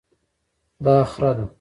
دا خره ده